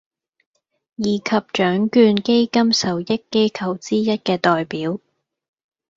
以及獎卷基金受惠機構之一嘅代表